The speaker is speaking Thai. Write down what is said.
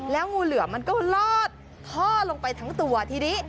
งูเหลือมมันก็ลอดท่อลงไปทั้งตัวทีนี้